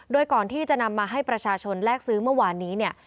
โดยก่อนที่จะนำมาให้ประชาชนแลกซื้อเมื่อวานนี้เนี่ย